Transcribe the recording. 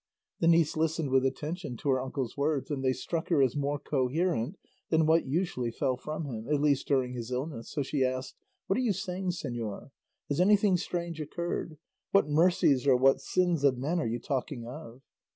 The niece listened with attention to her uncle's words, and they struck her as more coherent than what usually fell from him, at least during his illness, so she asked, "What are you saying, señor? Has anything strange occurred? What mercies or what sins of men are you talking of?"